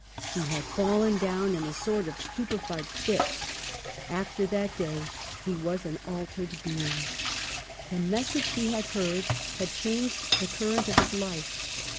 He had fallen down in a sort of stu pefied fit. After that day he was an altered being. The message he had heard had changed the current of his life.